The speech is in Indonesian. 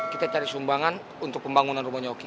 kita cari sumbangan untuk pembangunan rumahnya oki